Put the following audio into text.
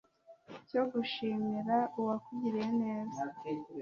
cyo gushimira uwakugiriye neza